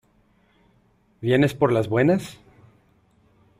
¿ Vienes por las buenas?